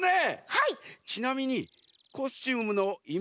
はい。